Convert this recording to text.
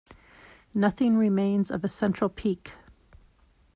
Nothing remains of a central peak.